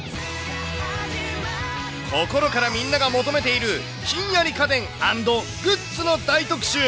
心からみんなが求めているひんやり家電＆グッズの大特集。